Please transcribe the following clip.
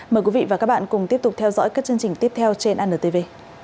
mời quý vị và các bạn cùng tiếp tục theo dõi các chương trình tiếp theo trên antv